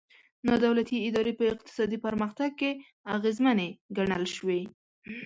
نا دولتي ادارې په اقتصادي پرمختګ کې اغېزمنې ګڼل شوي.